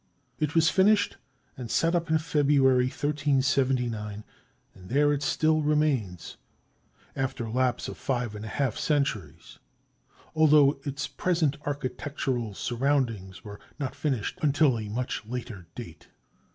It was finished and set up in February 1379, and there it still remains after lapse of five and a half centuries, although its present architectural surroundings were not finished until a much later date.